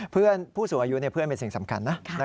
เพื่อนผู้สูงอายุเป็นสิ่งสำคัญนะ